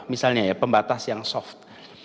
misalnya ya pembatas yang soft